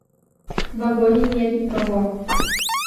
В вагоне нет никого.